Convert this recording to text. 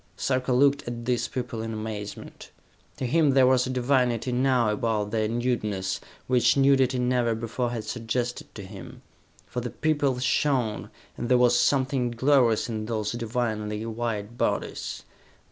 Sarka looked at these people in amazement. To him there was a divinity now about their nudeness which nudity never before had suggested to him. For the people shone, and there was something glorious in those divinely white bodies.